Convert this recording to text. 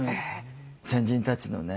先人たちのね